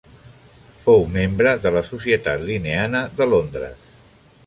Fou membre de la Societat Linneana de Londres.